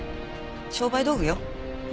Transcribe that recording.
商売道具よ。